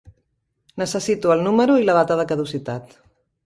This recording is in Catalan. Necessito el número i la data de caducitat.